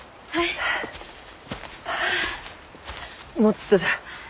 もうちっとじゃ。